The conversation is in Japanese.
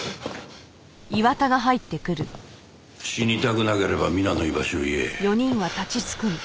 死にたくなければミナの居場所を言え。